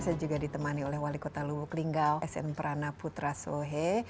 saya juga ditemani oleh wali kota lubuk linggau sn prana putra sohe